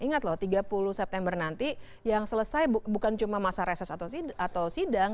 ingat loh tiga puluh september nanti yang selesai bukan cuma masa reses atau sidang